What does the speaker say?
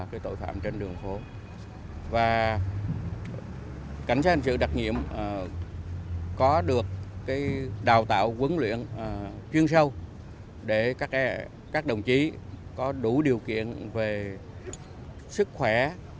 cảnh sát hình sự đặc nhiệm có được đào tạo quân luyện chuyên sâu để các đồng chí có đủ điều kiện về sức khỏe